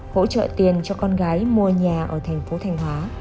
hỗ trợ tiền cho con gái mua nhà ở thành phố thanh hóa